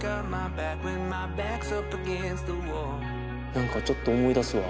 何かちょっと思い出すわ。